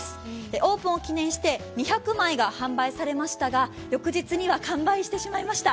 オープンを記念して２００枚が販売されましたが、翌日には完売してしまいました。